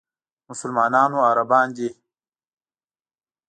مسلمانانو عربان دي.